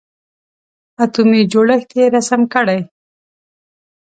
اتومي جوړښت یې رسم کړئ.